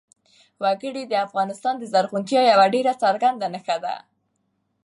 وګړي د افغانستان د زرغونتیا یوه ډېره څرګنده نښه ده.